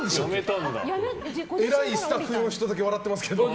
えらいスタッフだけ笑ってますけど。